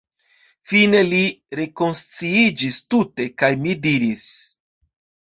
Fine li rekonsciiĝis tute, kaj mi diris: